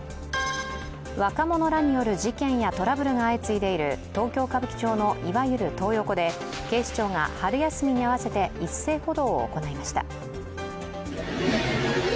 若者らによる事件やトラブルが相次いでいる東京・歌舞伎町のいわゆるトー横で警視庁が春休みに合わせて一斉補導を行いました。